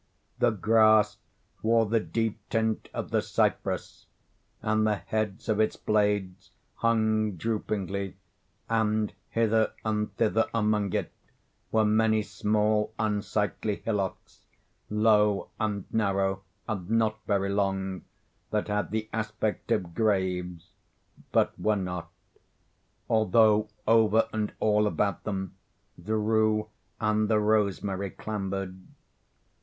The grass wore the deep tint of the cypress, and the heads of its blades hung droopingly, and hither and thither among it were many small unsightly hillocks, low and narrow, and not very long, that had the aspect of graves, but were not; although over and all about them the rue and the rosemary clambered.